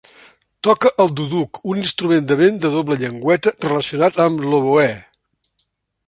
Toca el duduk, un instrument de vent de doble llengüeta relacionat amb l'oboè.